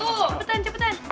tuh cepetan cepetan